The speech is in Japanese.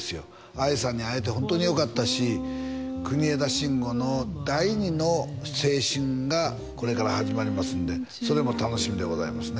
愛さんに会えてホントによかったし国枝慎吾の第二の青春がこれから始まりますんでそれも楽しみでございますね